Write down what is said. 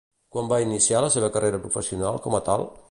Quan va iniciar la seva carrera professional com a tal?